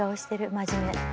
真面目。